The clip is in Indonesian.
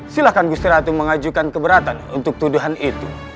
silahkan gusti ratu mengajukan keberatan untuk tuduhan itu